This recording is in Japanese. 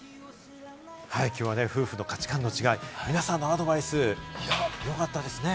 きょうは夫婦の価値観の違い、皆さんのアドバイス良かったですね。